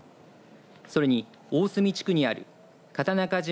それに大住地区にある潟中島